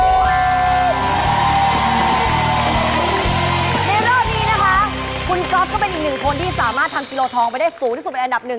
ในรอบนี้นะคะคุณก๊อฟก็เป็นอีกหนึ่งคนที่สามารถทำกิโลทองไปได้สูงที่สุดเป็นอันดับหนึ่ง